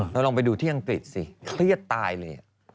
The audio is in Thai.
แล้วลองไปดูที่อังกฤษสิเครียดตายเลย